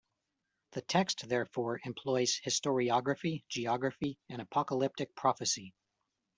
The text, therefore, employs historiography, geography, and apocalyptic prophecy.